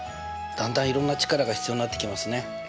だんだんいろんな力が必要になってきますね。